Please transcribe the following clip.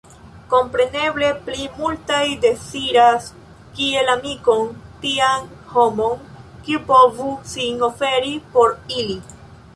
Kompreneble, pli multaj deziras kiel amikon tian homon, kiu povu sin oferi por ili.